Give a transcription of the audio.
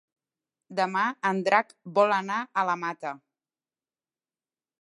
Demà en Drac vol anar a la Mata.